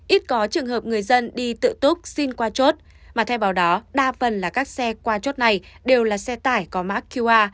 ít có trường hợp người dân đi tự túc xin qua chốt mà thay vào đó đa phần là các xe qua chốt này đều là xe tải có mã qr